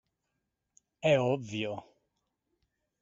È ovvio.